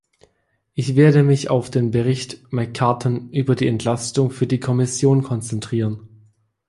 Ich werde mich auf den Bericht McCartin über die Entlastung für die Kommission konzentrieren.